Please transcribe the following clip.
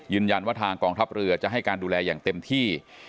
ยืนยันว่าทางกองทัพเรือจะให้การดูแลอย่างเต็มที่